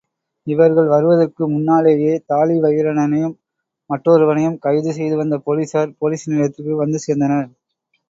இவர்கள் வருவதற்கு முன்னாலேயே தாழிவயிறனையும், மற்றொருவனையும் கைது செய்துவந்த போலீஸார் போலீஸ் நிலையத்திற்கு வந்து சேர்ந்தனர்.